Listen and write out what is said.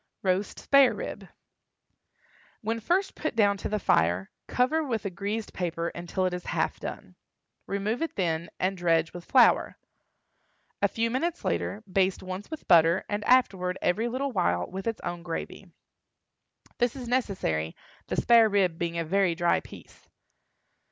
ROAST SPARE RIB. When first put down to the fire, cover with a greased paper until it is half done. Remove it then, and dredge with flour. A few minutes later, baste once with butter, and afterward, every little while, with its own gravy. This is necessary, the spare rib being a very dry piece.